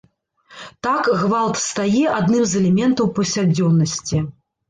Так гвалт стае адным з элементаў паўсядзённасці.